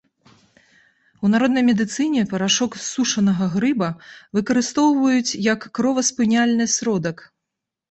У народнай медыцыне парашок з сушанага грыба выкарыстоўваюць як кроваспыняльны сродак.